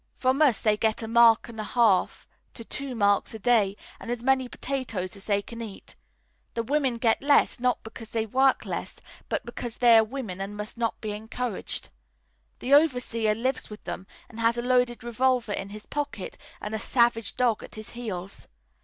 From us they get a mark and a half to two marks a day, and as many potatoes as they can eat. The women get less, not because they work less, but because they are women and must not be encouraged. The overseer lives with them, and has a loaded revolver in his pocket and a savage dog at his heels.